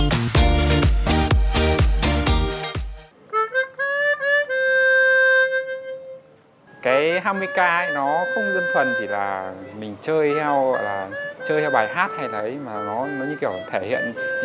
harmonica nó không dân thuần chỉ là mình chơi heo chơi bài hát hay lấy mà nó như kiểu thể hiện như